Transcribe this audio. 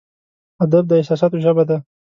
ادب د احساساتو ژبه ده.